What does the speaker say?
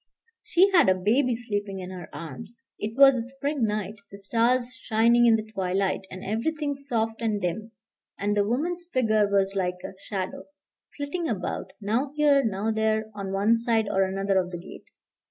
She had a baby sleeping in her arms. It was a spring night, the stars shining in the twilight, and everything soft and dim; and the woman's figure was like a shadow, flitting about, now here, now there, on one side or another of the gate.